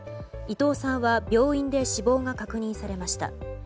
伊藤さんは病院で死亡が確認されました。